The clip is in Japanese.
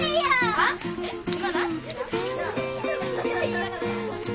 はい。